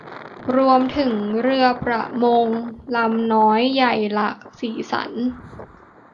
รวมถึงเรือประมงลำน้อยใหญ่หลากสีสัน